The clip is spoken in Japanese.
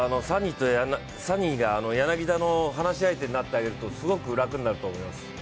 サニが柳田の話し相手になってあげると、すごく楽になると思います。